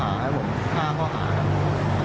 ห้าข้อหา